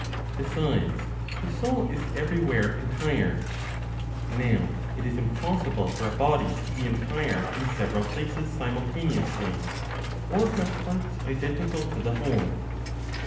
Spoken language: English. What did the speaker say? Besides the soul is everywhere entire; now it is impossible for a body to be entire in several places simultaneously, or have parts identical to the whole.